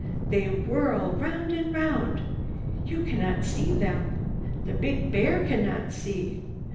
They whirl round and round. You cannot see them. The big bear cannot see.